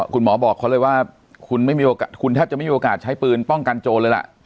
คุณหมอบอกเขาเลยว่าคุณถ้าจะไม่มีโอกาสใช้ปืนป้องกันโจรเลยล่ะ